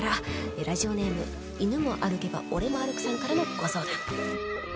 ラジオネーム「犬も歩けば俺も歩く」さんからのご相談。